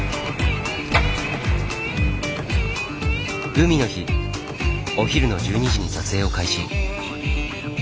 海の日お昼の１２時に撮影を開始。